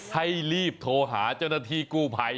ให้รีบโทรหาเจ้าหน้าที่กู้ภัย